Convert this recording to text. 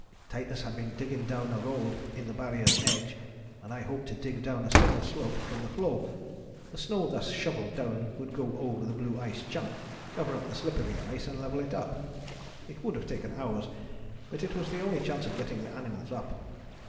Titus had been digging down a road in the Barrier edge, and I hoped to dig down a similar slope from the floe, the snow thus shovelled down would go over the blue ice chunk, cover up the slippery ice and level it up. It would have taken hours, but was the only chance of getting the animals up.